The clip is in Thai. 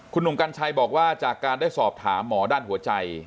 คุณหนุ่มกัญชัยบอกว่าจากการได้สอบถามหมอด้านหัวใจ